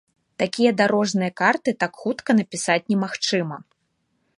Такія дарожныя карты так хутка напісаць немагчыма.